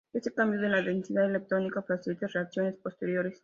Este cambio en la densidad electrónica facilita reacciones posteriores.